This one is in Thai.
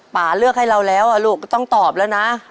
เลือกให้เราแล้วลูกต้องตอบแล้วนะ